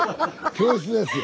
教室ですよ。